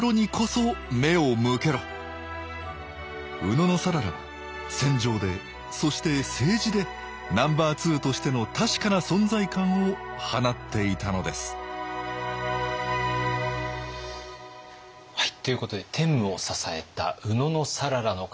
野讃良は戦場でそして政治でナンバーツーとしての確かな存在感を放っていたのですはいということで天武を支えた野讃良の活躍を見てまいりました。